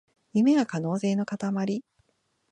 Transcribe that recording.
夢は可能性のかたまり